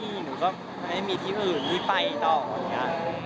หนูก็ไม่มีที่อื่นมีไปต่อค่ะ